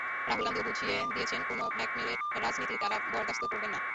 রাহুল গান্ধীও বুঝিয়ে দিয়েছেন, কোনো ব্ল্যাকমেলের রাজনীতি তাঁরা বরদাস্ত করবেন না।